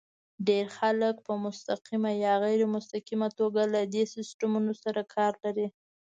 ډېر خلک په مستقیمه یا غیر مستقیمه توګه له دې سیسټمونو سره کار لري.